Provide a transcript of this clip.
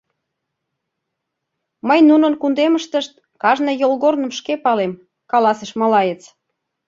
— Мый нунын кундемыштышт кажне йолгорным шке палем, — каласыш малаец.